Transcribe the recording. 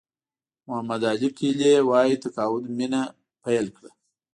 محمد علي کلي وایي تقاعد مینه پیل کړه.